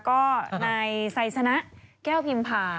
ก็นายไซสนะแก้วพิมพา